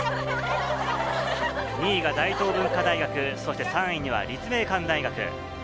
２位が大東文化大学、そして３位には立命館大学。